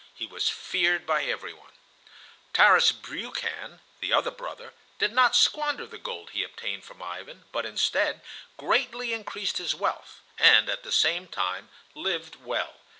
He was feared by every one. Tarras Briukhan, the other brother, did not squander the gold he obtained from Ivan, but instead greatly increased his wealth, and at the same time lived well.